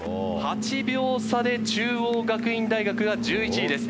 ８秒差で中央学院大学が１１位です。